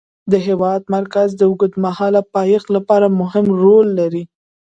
د هېواد مرکز د اوږدمهاله پایښت لپاره مهم رول لري.